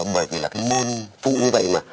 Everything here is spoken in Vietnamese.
bởi vì là cái môn phụ như vậy mà